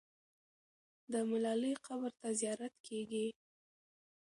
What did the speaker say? د ملالۍ قبر ته زیارت کېږي.